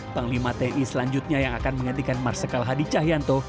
panglima tni selanjutnya yang akan menggantikan marsikal hadi cahyanto